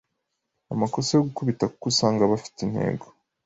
amakosa yo gukubita kuko usanga bafite intego